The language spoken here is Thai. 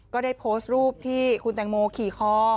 ก็ได้โพสต์รูปที่คุณแตงโมขี่คอ